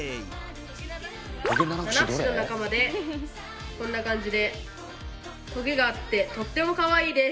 ナナフシの仲間でこんな感じでトゲがあってとってもかわいいです！